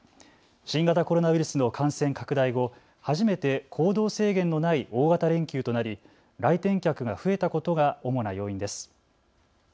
新型コロナウイルスの感染拡大後、初めて行動制限のない大型連休となり来店客が増えたことが主な要因です。